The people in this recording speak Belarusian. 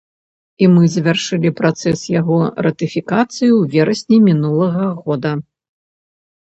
І мы завяршылі працэс яго ратыфікацыі ў верасні мінулага года.